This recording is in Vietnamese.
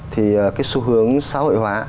thì cái xu hướng xã hội hóa